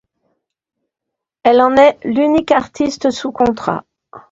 Elle en est l'unique artiste sous contrat.